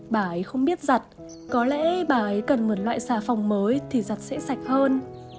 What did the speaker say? bà ấy không biết giặt có lẽ bà ấy cần một loại xà phòng mới thì giặt sẽ sạch hơn